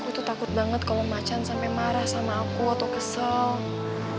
aku takut banget kalau macan sampai marah sama aku atau kesel